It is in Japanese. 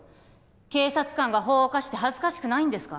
警察官が法を犯して恥ずかしくないんですか？